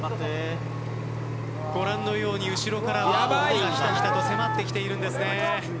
ご覧のように後ろから鬼がひたひたと迫ってきているんですね。